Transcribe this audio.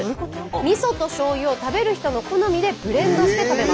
みそとしょうゆを食べる人の好みでブレンドして食べます。